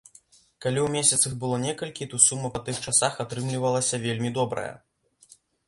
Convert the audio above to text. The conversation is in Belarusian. Калі ў месяц іх было некалькі, то сума па тых часах атрымлівалася вельмі добрая.